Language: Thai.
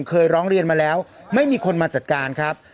เคยร้องเรียนมาแล้วไม่มีคนมาจัดการครับ